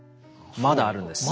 まだあるんです。